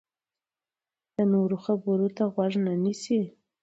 د نورو خبرو ته غوږ نه نیسي.